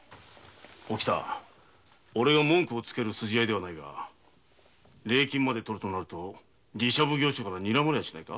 おきた俺が文句をつける筋合いではないが礼金を取ると寺社奉行所から睨まれはしないか？